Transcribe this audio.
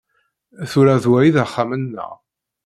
Tura d wa i d axxam-nneɣ.